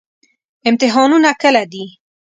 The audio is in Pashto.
امتحانونه کله دي؟